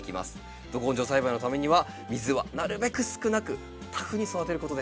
ど根性栽培のためには水はなるべく少なくタフに育てることです。